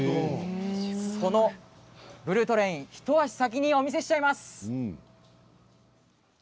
このブルートレイン一足先にお見せしちゃいます。